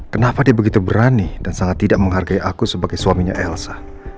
kenapa dia begitu berani dan sangat tidak menghargai aku sebagai suaminya elsa